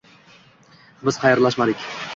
Biz xayrlashmadik